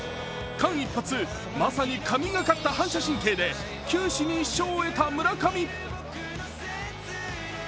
間一髪、まさに神がかった反射神経で九死に一生を得た村上。